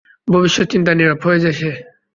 ভবিষ্যৎ চিন্তায় নীরব হয়ে যায় সে।